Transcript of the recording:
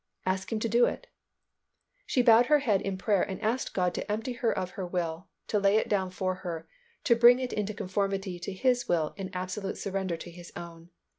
"Ask Him to do it." She bowed her head in prayer and asked God to empty her of her will, to lay it down for her, to bring it into conformity to His will, in absolute surrender to His own.